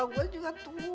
gue juga tunggu